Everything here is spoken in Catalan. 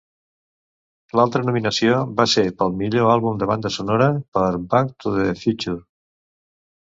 L'altra nominació seva va ser pel Millor Àlbum de Banda Sonora per Back to the Future.